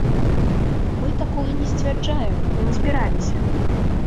Мы такога не сцвярджаем і не збіраліся.